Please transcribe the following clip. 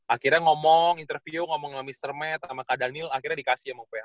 akhirnya ngomong interview ngomong sama mr mat sama kak daniel akhirnya dikasih sama fah